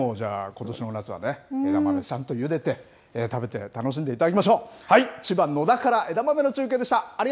しっかりもうじゃあ、ことしの夏は、枝豆、ちゃんとゆでて、食べて、楽しんでいただきましょう。